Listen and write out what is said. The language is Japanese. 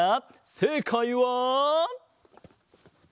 せいかいは。